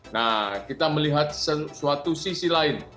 nah kita melihat suatu sisi lain